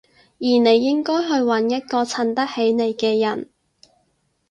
而你應該去搵一個襯得起你嘅人